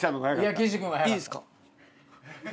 いいですか。